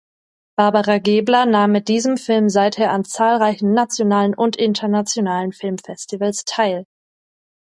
Barbara Gebler nahm mit diesem Film seither an zahlreichen nationalen und internationalen Filmfestivals teil.